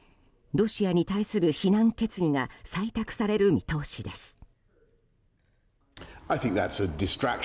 ロシアに対する非難決議が採択される見通しです。